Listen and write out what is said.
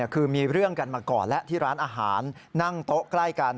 คือมีเรื่องกันมาก่อนแล้วที่ร้านอาหารนั่งโต๊ะใกล้กัน